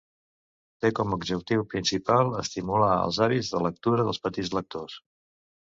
Té com a objectiu principal estimular els hàbits de lectura dels petits lectors.